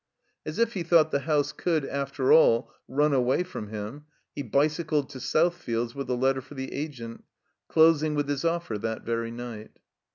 As if he thought the house could, after aU, run away from him, he bicycled to Southfields with a letter for the Agent, closing with his offer that very night.